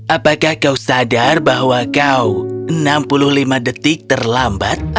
apakah kau sadar bahwa kau enam puluh lima detik terlambat